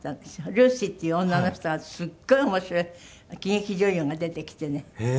ルーシーっていう女の人がすごい面白い喜劇女優が出てきてねアメリカの。